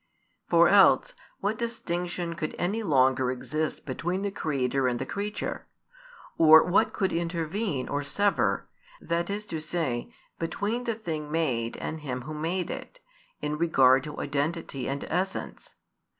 For else, what distinction could any longer exist between the Creator and the creature; or what could intervene or sever, that is to say, between the thing made and Him Who made it, in regard to identity and essence?